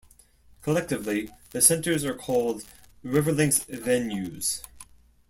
Collectively the centres are called "Riverlinks Venues".